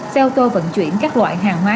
xe ô tô vận chuyển các loại hàng hóa